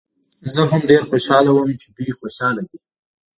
زه هم ډېر خوشحاله وم چې دوی خوشحاله دي.